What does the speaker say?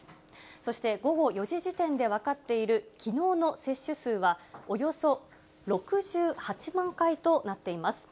そして午後４時時点で分かっているきのうの接種数は、およそ６８万回となっています。